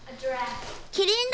キリンだ！